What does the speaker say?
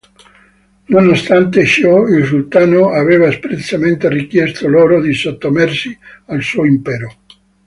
Nonostante ciò, il sultano aveva espressamente richiesto loro di sottomettersi al suo impero.